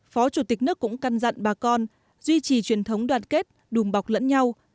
phó chủ tịch nước cũng căn dặn bà con duy trì truyền thống đoàn kết đùm bọc lẫn nhau